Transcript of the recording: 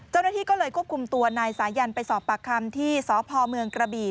เจ้าหน้าที่ก็เลยควบคุมตัวนายสายันไปสอบปากคำที่สพเมืองกระบี่